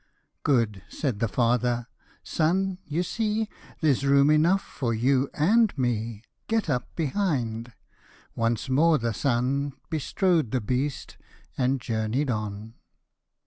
" Good," said the father ;" Son, you see There's room enough for you and me ; Get up behind." Once more the son Bestrode the beast, and journey 'd on.